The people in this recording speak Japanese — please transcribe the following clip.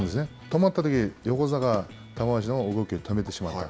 止まったとき、横綱が玉鷲の動きを止めてしまった。